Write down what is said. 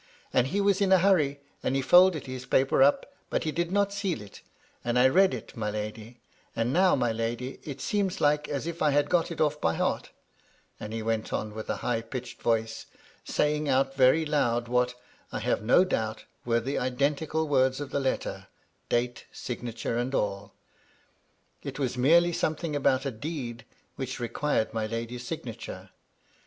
And he was in a hurry, and he folded his paper up, but he did not seal it ; and I read it, my lady ; and now, my lady, it seems like as if I had got it oflF by heart ;*' and he went on with a high pitched voice, saying out very loud what, I have no doubt, were the identical words of the letter, date, signature and all : it was merely something about a deed, which required my lady's signature.